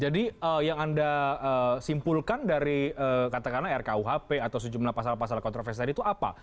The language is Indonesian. jadi yang anda simpulkan dari katakan rkuhp atau sejumlah pasal pasal kontroversi tadi itu apa